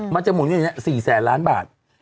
มันจะหมุนอยู่ในนี้๔๐๐๐๐ล้านบาท